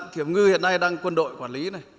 kiểm ngư hiện nay đang quân đội quản lý này